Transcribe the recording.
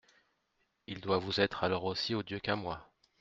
Il doit vous être alors aussi odieux qu'à moi.